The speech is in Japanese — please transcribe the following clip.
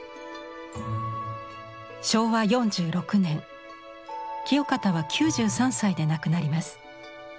昭和４６年清方は９３歳で亡くなります。